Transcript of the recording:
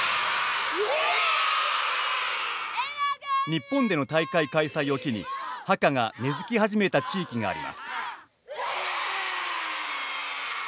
日本での大会開催を機にハカが根づき始めた地域があります。